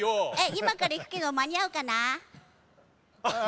今から行くけど間に合うかな？